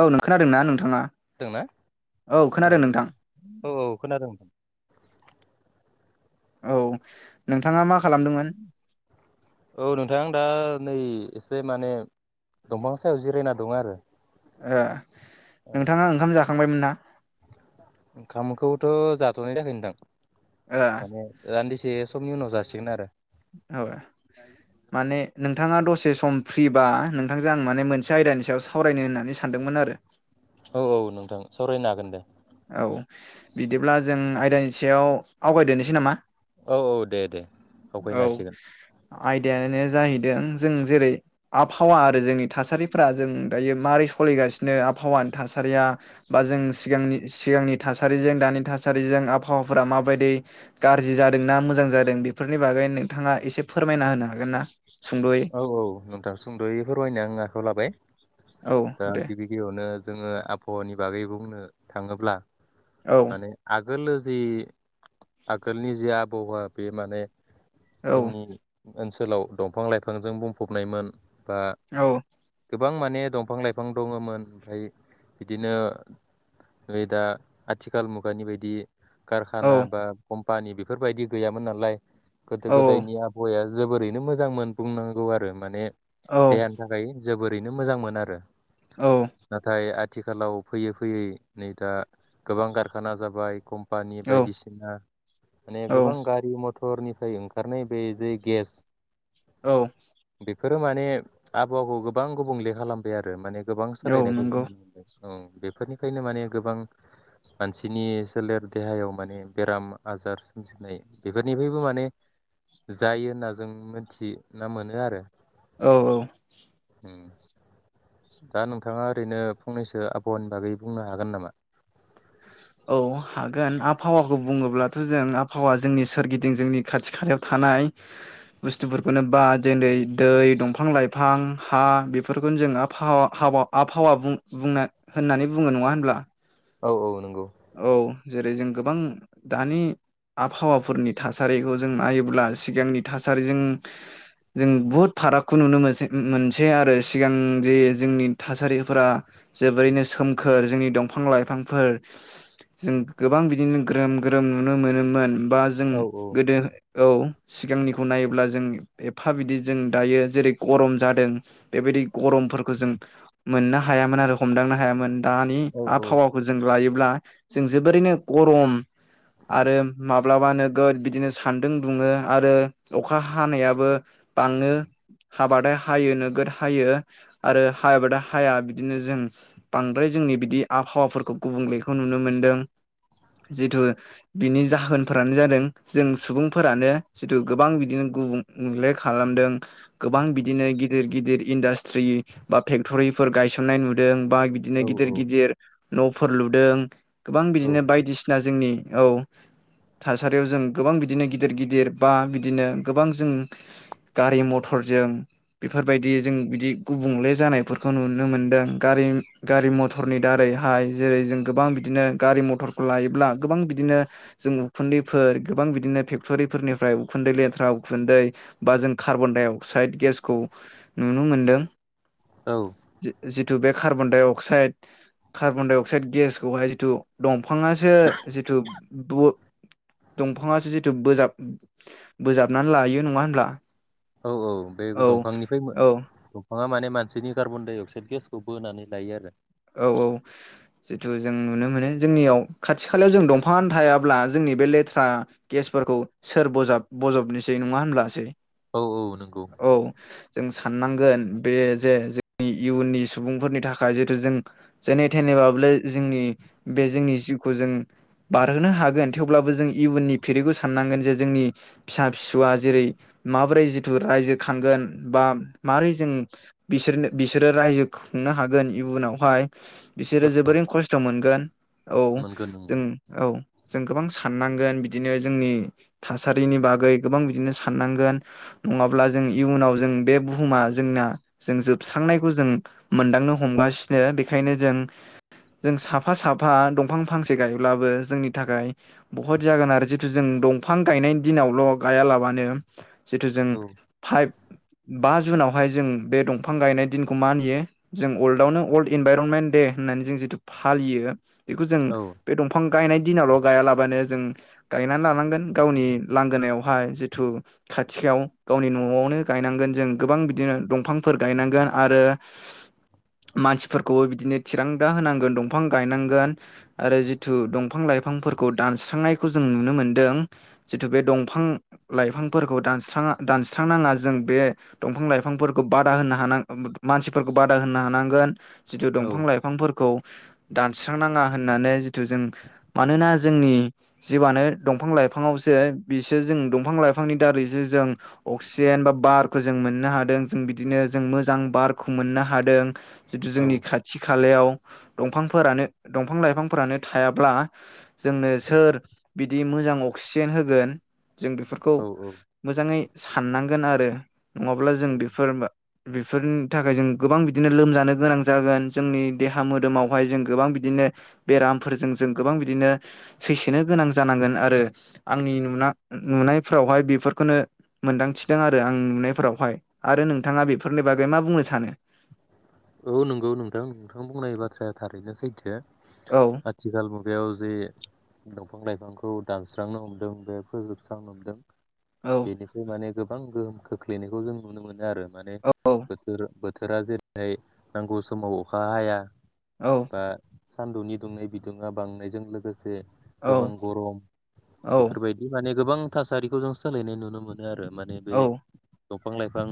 औ नों खोनादोंना नोंथाङा दोंना औ खोनादों नोंथां औ औ खोनादों औ नोंथाङा मा खालामदोंमोन औ नोंथां दा नै एसे माने दंफां सायाव जिरायना दं आरो ओ औ नोंथाङा ओंखाम जाखांबायमोन ना? ओंखामखौथ' जाथ'नाय जायाखै नोंथां ओ माने रानदि से समनि उनाव जासिगोन आरो। औ माने नोंथाङा दसे से सम फ्रिबा नोंथांजों आं माने मोनसे आयदानि सायाव सावरायनो होननानै सानदोंमोन आरो। औ औ नोंथां सावरायनो हागोन दे। औ बिदिब्ला जों आयदानि सायाव आवगायदोनिसै नामा? औ औ दे दे आवगायनो औ हासिगोन। आयदायानो जाहैदों जों जेरै आबहावा आरो जोंनि थासारिफ्रा जों दायो माबारै सोलिगासिनो आबहावानि थासारिया बा जों सिगांनि सिगांनि थासारिजों दानि थासारिजों आबहावाफोरा माबायदि गाज्रि जादोंना मोजां जादों बेफोरनि बागै नोंथाङा एसे फोरमायना होनो हागोन ना? सुंद'यै औ औ नोंथां सुंद'यै फोरमायनो आं आखाइआव लाबाय। औ दा दे गिबि गिबियावनो जोङो आबहावानि बागै बुंनो थाङोब्ला औ माने आग गोलोजि आगोलनि जि आबहावा बे माने औ जोंनि ओनसोलाव दं। दंफां-लाइफांजों बुंफबनायमोन। बा औ। गोबां माने दंफां-लाइफां दङ'मोन ओमफाय बिदिनो नै दा आथिखाल मुगानि बायदि। कारखाना औ बा कम पानि बेफोरबायदि गैयामोन नालाय औ गोदो-गोदायनि आबहावाया जोबोरैनो मोजां मोन। बुंनांगौ आरो माने औ देहानि थाखाय जोबोरैनो मोजां मोन आरो। नाथाय आथ थिखालाव फैयै फैयै नै दा गोबां कारखाना जाबाय कम पानि औ बायदिसिना माने औ गोबां गारि मथ थरनिफ्राय ओंखारनाय बे जे गेस औ। फोरो माने आबहावाखौ गोबां गुबुंले खालामबाय आरो माने गोबां औ सोलायनायखौ जों नंगौ औ बेफोरनिफ्रायनो माने गोबां मानसिनि सोलेर देहायाव माने बेराम आजार सोमजिनाय बेफोरनिफायबो माने जायो होनना जों मोन थि ना मोनो आरो। औ ओ। उम दा नोंथाङा ओरैनो फंनैसो आबहावानि बागै बुंनो हागोन नामा? औ हागोन आबहावाखौ बुङोब्लाथ' जों आबहावा जोंनि सोरगिदिं जोंनि खाथि खालायाव थानाय। बुस्थुफोरखौनो बा दोलै दै दंफां- लाइफां हा बेफोरखौनो जों आबहावा हावा आबहावा बुं बुंना होननानै बुङो नङा होनब्ला? औ- औ नंगौ औ जेरै जों गोबां दानि आबहावाफोरनि थासारिखौ जों नायोब्ला सिगांनि थासारिजों जों बुहुद फारागखौ नुनो मोनसै मोनसेै आरो सिगां जे जोंनि थासारिफोरा जोबोरैनो सोमखोर जोंनि दंफां -लाइफांफोर। जों गोबां बिदिनो ग्रोम ग्रोम नुनो मोनोमोन। बा जों औ औ गोदो औ सिगांनिखौ नायोब्ला जों एफा बिदि जों दायो जेरै गरम जादों। बेबायदि गरमफोरखौ जों मोननो हायामोन आरो हमदांनो हायामोन। दानि औ आबहावाखौ जों लायो ब्ला जों जोबोरैनो गरम आरो माब्लाबा नोगोद बिदिनो सान्दुं दुङो, आरो अखा हानायाबो बाङो हाबथाय हायो नोगोद हायो, आरो हायाबथाय हाया बिदिनो जों बांद्राय जोंनि बिदि आबहावाफोरखौ गुबुंले खौ नुनो मोनदों, जितु बिनि जाहोनफोरानो जादों जों सुबुंफोरानो जिथु गोबां बिदिनो गुबुंले खालामदों गोबां बिदिनो गिदिर गिदिर इन्डास्ट्रि बा फेक्टरिफोर गायसननाय नुदों बा बिदिनो औ गिदिर गिदिर न' फोर लुदों गोबां औ बिदिनो बायदिसिना जोंनि औ, थासारियाव जों गोबां बिदिनो गिदिर गिदिर बा बिदिनो गोबां जों गारि मथरजों बेफोरबायदि जों बिदि गुबुंले जानायफोरखौ नुनो मोनदों, गारि गारि मथरनि दारैहाय जेरै जों गोबां बि बिदिनो गारि मथरखौ लायोब्ला गोबां बिदिनो जों उखुन्दैफोर गोबां बिदिनो फेक्ट'रिफोरनिफ्राय उखुन्दै लेथ्रा उखुन्दै बा जों कार्बन डाइ अक्साइद गेसखौ नुनो मोनदों औ जिथु बे carbon dioxide carbon dioxide गेसखौहाय थु दं फांआसो जिथु बो दंफाङासो जिथु बोजाब बोजाबनानै लायो नङा होनब्ला? औ औ बे औ दंफांनिफ्राय औ दंफाङा माने मानसिनि कार्बन डाइ अक्साइद गेसखौ बोनानै लायो आरो। औ औ जितु जों नुनो मोनो, जोंनियाव खाथि खालायाव जों दंफांआनो थायाब्ला जोंनि बे लेथ्रा गेसफोरखौ सोर बजाब बजबनोसै नङा होनब्लासै? औ औ नंगौ औ जों साननांगोन बे जे जोंनि इयुननि सुबुंफोरनि थाखाय जिथु जों जेने थेनेबाबो जोंनि बे जोंनि जिउखौ जों बारहोनो हागोन। थेवब्लाबो जों इयुननि फिरिखौ साननांगोन जे जोंनि फिसा फिसौआ जेरै माबोरै जिथु रायजो खांगोन बा माबोरै जों बिसोर बिसोरो रायजो खुंनो हागोन इयुनाव हाय बिसोरो जोबोरैनो खस्थ' मोनगोन औ मोनगोन जों औ जों गोबां साननांगोन बिदिनो जोंनि थासारिनि बागै गोबां बिदिनो साननांगोन नङाब्ला जों इयुनाव जों बे बुहुमा जोंना जों जोबस्रांनायखौ जों मोनदांनो हमगासिनो नो बेखायनो जों जों साफा साफा दंफां फांसे गायब्लाबो जोंनि थाखाय बहुत जागोन आरो, जितु जों दंफां गायनायनि दिनावल' गायालाबानो जिथु जों ओं फाइभ बा जुनावहाय जों बे दंफां गायनाय दिनखौ मानियो जों वर्ल्डआवनो अल्ड इनभाइरनमेन्ट दे होननानै जों जिथु फालियो बेखौ जों औ औ बे दंफां गायनाय दिनावल' गायालाबानो जों, गायनानै लानांगोन गावनि लांगोनायावहाय जिथु खाथियाव, गावनि न'आवनो गायनांगोन जों गोबां बिदिनो दंफांफोर गायनांगोन आरो मानसि‌ फोरखौबो बिदिनो थिरांथा होनांगोन दंफां गायनांगोन, आरो जिथु दंफां लाइफांफोरखौ दानस्रांनायखौ जों नुनो मोन्दों जिथु बे दंफां लाइफांफोरखौ दानस्रां दानस्रांनााङा जों बे दंफां लाइफांफोरखौ बादा होनो हान मानसिफोरखौ बादा होनो हानांगोन। जिथु औ दंफां लाइफांफोरखौ दानस्रांनाङा होननानै जिथु जों मानोना जोंनि जिउआनो दंफां लाइफाङावसो बिसोर जों दंफां लाइफांनि दारैसो जों अक्सिजेन बा बारखौ जों मोननो हादों जों बिदिनो जों मोजां बारखौ मोननो हादों जिथु औ जोंनि खाथि खालायाव दंफांफोरानो दंफां लाइफांफोरानो थायाब्ला जोंनो सोर बिदि मोजां अक्सिजेन होगोन जों बेफोरखौ औ मोजाङै साननांगोन आरो नङाब्ला जों औ बेफोर बेफोरनि थाखाय जों गोबां बिदिनो लोमजानो गोनां जागोन जोंनि देहा मोदोमावहाय जों गोबां बिदिनो बेरामफोरजों जों गोबां बिदिनो सैसोनो गोनां जानांगोन आरो आंनि नुना नुनायफोरावहाय बेफोरखौनो मोनदांथिदों आरो आंनि नुनायफोरावहाय आरो नोंथाङा बेफोरनि बागै मा बुंनो सानो? औ नंगौ नोंथां नोंथां बुंनाय बाथ्राया थारैनो सैथो औ आथिखाल मुगायाव जे बिफां लाइफांखौ दानस्रांनो हमदों बे फोजोबस्रांनो हमदों औ बेनिफ्राय माने गोबां गोहोम खोख्लैनायखौ जों नुनो मोनो आरो माने औ बेफोर बो थोरा जेरै जोइ नांगौ समाव अखा हाया बा सान्दुंनि दुंनाय बिदुङा बांनायजों लोगोसे गोबां गरम औ बेफोरबायदि माने गोबां थासारिखौ जों सोलायनाय नुनो मोनो आरो माने औ बे दंफां लाइफां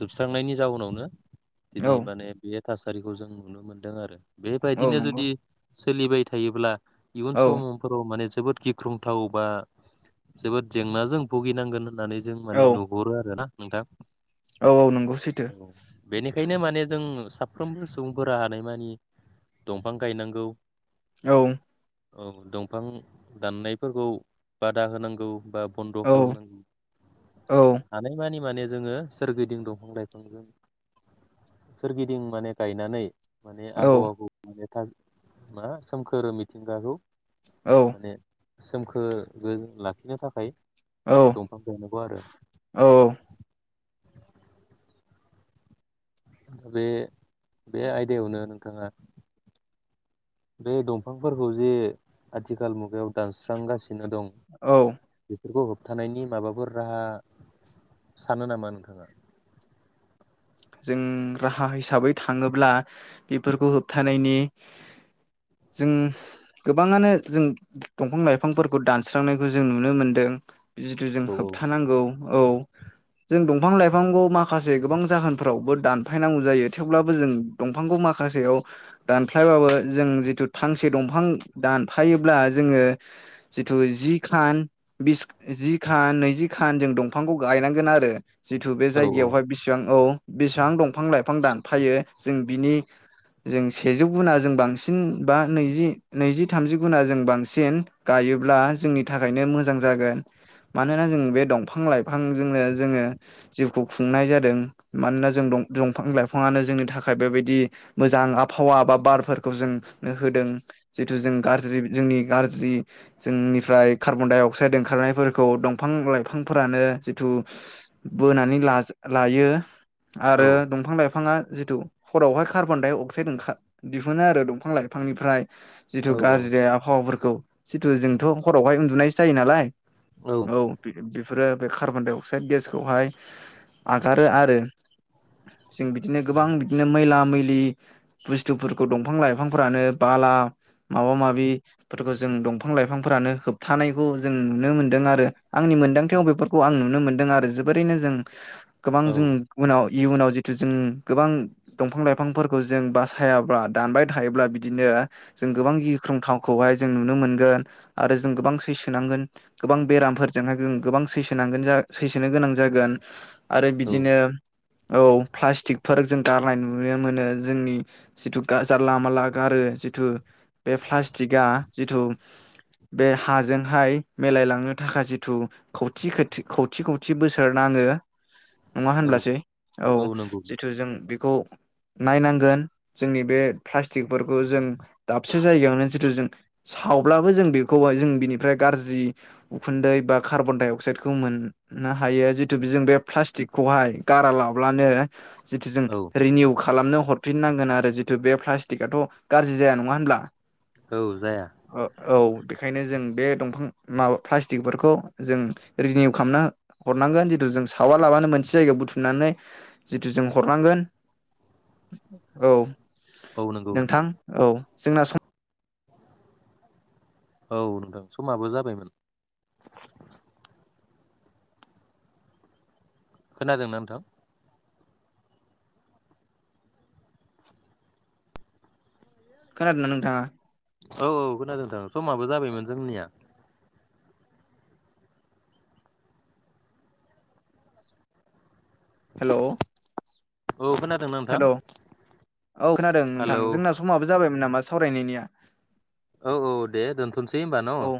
जोबस्रांनायनि जाउनावनो हो औ दिनै माने बे थासारिखौ जों नुनो मोनदों आरो औ बेबायदिनो नंगौ जुदि सोलिबाय थायोब्ला इउन औ स'म' फोराव मने जोबोद गिख्रंथाव बा जोबोद जेंनाजों भुगिनांगोन होननानै जों औ माने नुहरो आरो ना नोंथां औ औ नंगौ सैथो बेनिखायनो माने जों साफ्रोमबो सुबुंफोरा हानायमानि दंफां गायनांगौ औ औ दंफां दाननायफोरखौ बादा होनांगौ बा बन्द' औ खालामनांगौ औ हानायमानि माने जोङो सोरगिदिं दंफां लाइफांजों सोरगिदिं माने गायनानै माने औ आब' आबौ मान मा सोमखोर मिथिंगाखौ माने सोमखोरै लाखिनो थाखाय औ दंफां दङबा आरो औ बे बे आयदायावनो नोंथाङा बे दंफांफोरखौ जे आथिखाल मुगायाव दानस्रांगासिनो नोदं बेफोरखौ हो थानायनि माबाफोर राहा सानो नामा नोंथाङा जों राहा हिसाबै थाङोब्ला बेफोरखौ होबथानायनि जों गोबाङानो जों दंफां लाइफांफोरखौ दानस्रांनायखौ जों नुनो मोनदों। जिथु जों औ होबथानांगौ औ जों दंफां लाइफांखौ माखासे गोबां जाहोन फ्रावबो दानफायनांगौ जायो थेवब्लाबो जों दंफांखौ माखासेयाव दानफ्लायबाबो जों जिथु फांसे दंफां दानफायोब्ला जोंङो जिथु जि खान जि खान नैजि खान जों दंफांखौ गायनांगोन आरो जिथु बे औ जायगायावहाय बिसिबां औ बेसेबां दंफां लाइफां दानफायो जों बिनि जों सेजौ गुना जों बांसिन बा नैजि नैजि थामजि गुना जों बांसिन गायोब्ला जोंनि थाखायनो मोजां जागोन मानोना जों बे दंफां लाइफांजोंनो जोंङो जिउखौ खुंनाय जादों। मानोना जों दंफां लाइफाङानो जोंनि थाखाय बेबायदि मोजां आबहावा बा बारफोरखौ जोंनो होदों जिथु जों गाज्रि जोंनि गाज्रि जोंनिफ्राय कार्बन डाइ अक्साइड ओंखारनायफोरखौ दंफां लाइफांफोरानो जिथु बोनानै ला लायो। औ आरो दंफां लाइफाङा जिथु हरावहाय कार्बन दडाइ अक्साइड ओंखार दिहुनो आरो दंफां लाइफांनिफ्राय जिथु औ गाज्रि आबहावाफोरखौ जिथु जोंथ हरावहाय उन्दुनायसो जायो नालाय औ बिसफोरो बे कार्बनदाइ अक्साइद गेस खौहाय आगारो आरो जों बिदिनो गोबां बिदिनो मैलाम मैलि बुस्थुफोरखौ दंफां लाइफांफोरानो बाला माबा माबिफोरखौ जों दंफां लाइफांफोरानो होबथानायखौ जों नुनो मोनदों आरो आंनि मोन्दांथायाव बेफोरखौ आं नुनो मोनदों। आरो जोबोरैनो जों गोबां औ जों इउनाव जिथु जों गोबां दंफां लाइफांफोरखौ जों बासायाब्ला दानबाय थायोब्ला बिदिनो जों गोबां गिख्रंथावखौहाय जों नुनो मोनगोन आरो जों गोबां सैसो नांगोन गोबां बेरामफोरजोंहाय जों गोबां सैसो नांगोन सैसोनो गोनां जागोन। आरो औ बिदिनो औ प्लास्टिकफोर जों गारनाय नुनो मोनो जोंनि जिथु जारला मालला गारो जिथु बे प्लास्टिकआ जिथु बे हाजोंहाय मिलायलांनो थाखाय जिथु खौटि खौटि खौटि बोसोर नाङो नङा औ होनब्लासै औ जिथु जों बेखौ नायनांगोन जोंनि बे प्लास्टिकफोरखौ जों दाबसे जायगायावनो जिथु जों सावब्लाबो जों बेखौहाय जों बिनिफ्राय गाज्रि उखुन्दै बा कार्बन डाइ अक्साइदखौ मोननो हायो जितु जों बे प्लास्टिकखौहाय गारा लाब्लानो जिथु जों औ रिनिउ खालामनो हरफिननांगोन आरो जिथु बे प्लास्टिकआथ' गाज्रि जाया नङा होनब्ला औ जाया औ बेखायनो जों बे दंफां माबा प्लास्टिकफोरखौ जों रिनिउ खालामना हरनांगोन जिथु जों सावालाबानो मोनसे जायगायाव बुथुम नानै जिथु जों हरनांगोन औ औ नंगौ नोंथां औ जोंना सम औ नोंथां समाबो जाबायमोन खोनादोंना नोंथां खोनादोंना नोंथांङा औ औ खोनादोंथां समाबो जाबायमोन जोंनिया हेलौ औ खोनादोंना नोंथां औ खोनादों नोंथां हेलौ जोंना समाबो जाबायमोन नामा सावरायनायनिया औ औ दे दोनथ'सै होनबा औ न'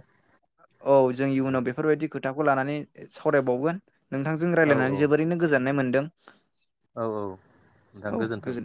औ जों इयुनाव बेफोरबायदि खोथाखौ लानानै सावरायबावगोन नोंथांजों औ रायज्लायनानै जोबोरैनो गोजान नाय मोनदों औ औ नोंथां गोजोन्थों